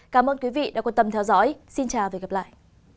cảm ơn quý vị đã quan tâm theo dõi xin chào và hẹn gặp lại